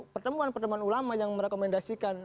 pertemuan pertemuan ulama yang merekomendasikan